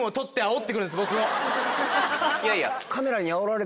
いやいや。